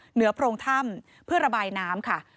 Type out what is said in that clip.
โพรงถ้ำเพื่อระบายน้ำค่ะ